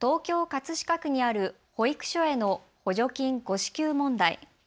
葛飾区にある保育所への補助金誤支給問題。